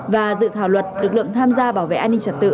và dự thảo luật lực lượng tham gia bảo vệ an ninh trật tự